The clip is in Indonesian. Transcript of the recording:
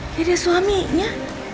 kayak dia suaminya